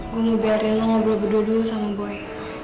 gue mau biarin lo ngobrol bedo dulu sama boy